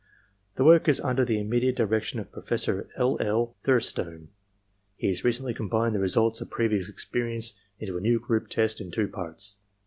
The work is under the immediate direction of Professor L. L. Thurstone. He has recently cpmbined the results of previous experience into a new group test in two parts.